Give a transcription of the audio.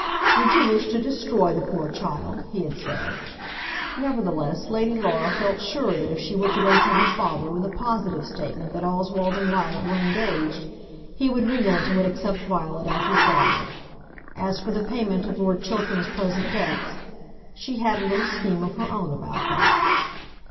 "Would you wish to destroy the poor child?" he had said. Nevertheless Lady Laura felt sure that if she were to go to her father with a positive statement that Oswald and Violet were engaged, he would relent and would accept Violet as his daughter. As for the payment of Lord Chiltern's present debts; she had a little scheme of her own about that.